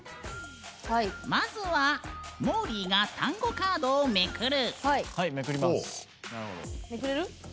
まずは、もーりーが単語カードをめくる。